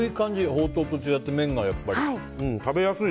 ほうとうと違って、麺がやっぱり。